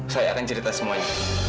saya akan cerita semuanya